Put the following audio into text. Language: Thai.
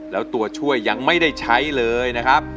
แล้วตัวช่วยยังไม่ได้ใช้เลยนะครับ